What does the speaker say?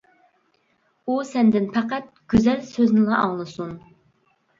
ئۇ سەندىن پەقەت گۈزەل سۆزنىلا ئاڭلىسۇن.